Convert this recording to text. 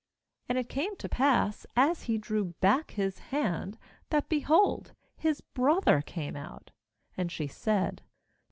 29And it came to pass, as he drew back his hand, that, behold, his brother came out; and she said.